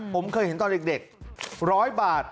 ผมเคยเห็นตอนเด็ก๑๐๐บาท